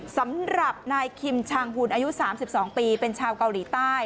สำหรับนายคิมชางหุ่นอายุ๓๒ปีเป็นชาวเกาหลีใต้